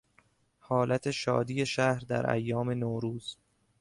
حالت شادی شهر در ایام نوروز